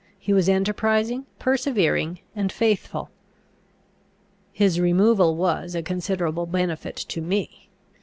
He was enterprising, persevering, and faithful. His removal was a considerable benefit to me.